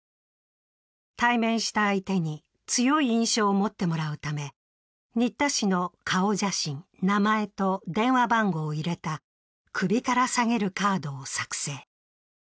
対面した相手に、強い印象を持ってもらうため、新田氏の顔写真、名前と電話番号を入れた首からさげるカードを作成。